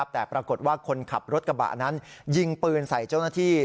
แต่ปรากฏว่าคนขับรถกระบะนั้นยิงปืนใส่เจ้าหน้าที่